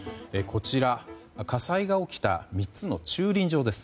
こちら、火災が起きた３つの駐輪場です。